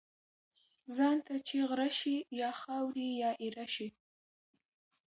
ځان ته چی غره شی ، یا خاوري یا ايره شی .